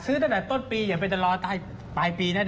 ซื้อตั้งแต่ต้นปีอย่าไปตลอดใต้ปลายปีนะ